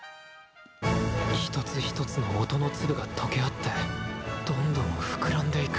一つ一つ音の粒が溶け合ってどんどん膨らんでいく。